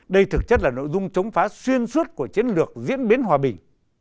đây thực chất là nội dung chống phá xuyên suốt của chiến lược diễn biến hòa bình